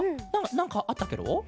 なんかあったケロ？